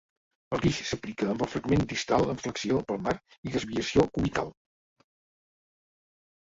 El guix s'aplica amb el fragment distal en flexió palmar i desviació cubital.